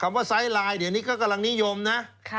คำว่าไซด์ไลน์อันนี้ก็กำลังนิยมนะ